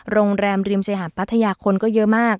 โรงแรมริมชาญหาภรรยากรของคนเยอะมาก